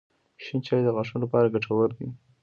• شین چای د غاښونو لپاره ګټور دی.